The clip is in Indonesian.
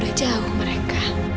sudah jauh mereka